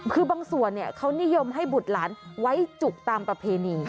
คือบางส่วนเขานิยมให้บุตรหลานไว้จุกตามประเพณี